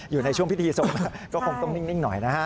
อยู่ในช่วงพิธีทรงก็คงต้องนิ่งหน่อยนะฮะ